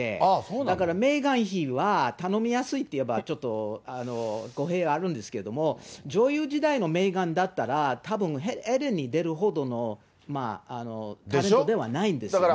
だからメーガン妃は、頼みやすいっていえばちょっと、語弊があるんですけれども、女優時代のメーガンだったら、たぶん、エレンに出るほどのタレントではないんですよね。